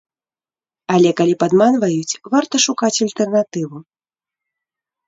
Але калі падманваюць, варта шукаць альтэрнатыву.